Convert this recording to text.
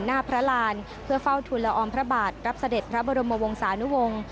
หน้าพระรานเพื่อเฝ้าทุนละออมพระบาทรับเสด็จพระบรมวงศานุวงศ์